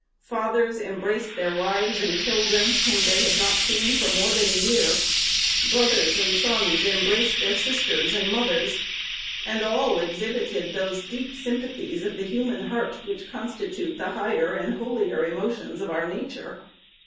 Fathers embraced their wives and children, whom they had not seen for more than a year; brothers and sons embraced their sisters and mothers; and all exhibited those deep sympathies of the human heart, which constitute the higher and holier emotions of our nature.